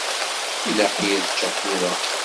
Ilaq-iyi ad ččeɣ tura.